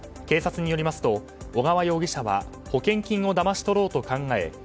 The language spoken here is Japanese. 警察によりますと小川容疑者は保険金をだまし取ろうと考え